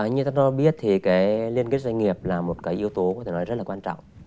như các tôi biết thì cái liên kết doanh nghiệp là một cái yếu tố có thể nói rất là quan trọng